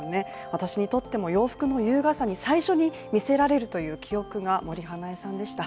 私にとっても、洋服の優雅さに最初にみせられるという記憶が森英恵さんでした。